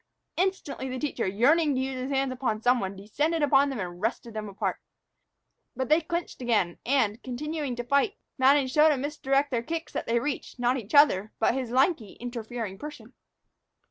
Instantly the teacher, yearning to use his hands upon some one, descended upon them and wrested them apart. But they clinched again and, continuing to fight, managed so to misdirect their kicks that they reached, not each other, but his lanky, interfering person.